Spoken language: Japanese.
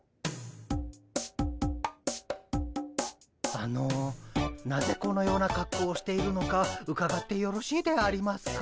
あのなぜこのようなかっこうをしているのかうかがってよろしいでありますか？